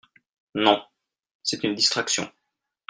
Non ; c'est une distraction.